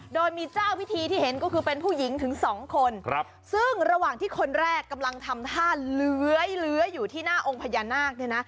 โดยมีเจ้าพิธีที่เห็นก็คือเป็นผู้หญิงถึงสองคนครับซึ่งระหว่างที่คนแรกกำลังทำท่าเลื้อยเลื้ออยู่ที่หน้าองค์พญานาคเนี่ยนะ